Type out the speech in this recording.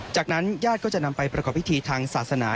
จากนั้นญาติก็จะนำไปประกอบพิธีทางศาสนา